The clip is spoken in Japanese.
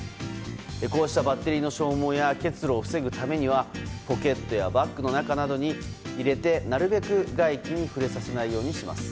こうしたバッテリーの消耗や結露を防ぐためにはポケットやバッグの中などに入れてなるべく外気に触れさせないようにします。